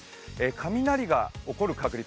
雷が起こる確率